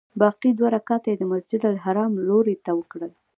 باقي دوه رکعته یې د مسجدالحرام لوري ته وکړل.